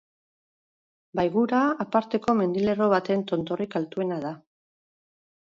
Baigura aparteko mendilerro baten tontorrik altuena da.